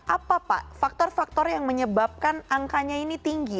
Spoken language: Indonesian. apa pak faktor faktor yang menyebabkan angkanya ini tinggi